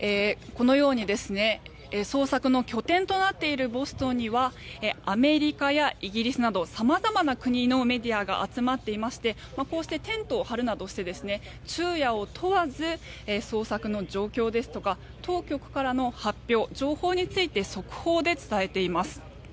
捜索の拠点となっているボストンにはアメリカやイギリスなどさまざまな国のメディアが集まっていまして、こうやってテントを張るなどして昼夜を問わず捜索の状況ですとか当局からの発表、情報について速報で伝えています。